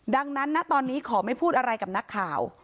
ดังนั้นนะตอนนี้ขอไม่พูดอะไรกับนักข่าว